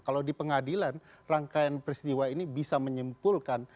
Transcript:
kalau di pengadilan rangkaian peristiwa ini bisa menyimpulkan